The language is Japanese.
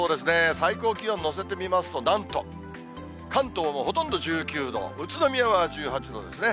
最高気温載せてみますと、なんと、関東もほとんど１９度、宇都宮は１８度ですね。